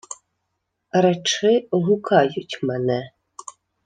— Речи: гукають мене.